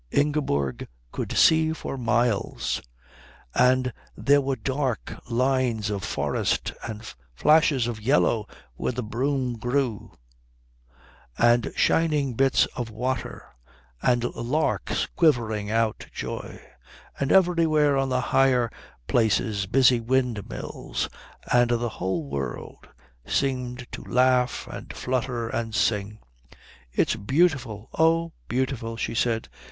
Ingeborg could see for miles. And there were dark lines of forest, and flashes of yellow where the broom grew, and shining bits of water, and larks quivering out joy, and everywhere on the higher places busy windmills, and the whole world seemed to laugh and flutter and sing. "It's beautiful oh, beautiful!" she said.